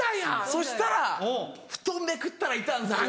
そしたら布団めくったらいたんですよ。